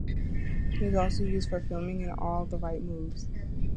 It was also used for filming in All The Right Moves.